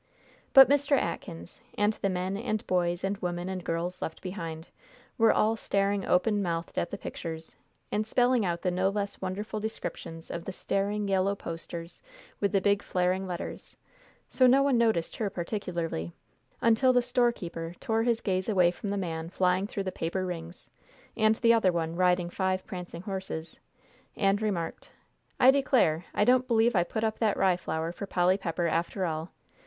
But Mr. Atkins, and the men and boys and women and girls left behind, were all staring open mouthed at the pictures, and spelling out the no less wonderful descriptions of the staring yellow posters with the big flaring letters, so no one noticed her particularly, until the storekeeper tore his gaze away from the man flying through the paper rings, and the other one riding five prancing horses, and remarked, "I declare, I don't b'lieve I put up that rye flour for Polly Pepper, after all.